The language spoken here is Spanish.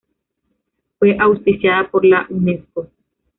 Fue auspiciada por la Unesco.